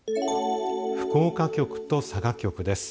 福岡局と佐賀局です。